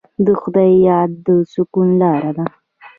د خدای یاد د سکون لاره ده.